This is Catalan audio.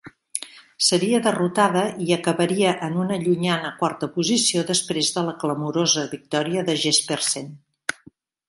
Seria derrotada i acabaria en una llunyana quarta posició després de la clamorosa victòria de Jespersen.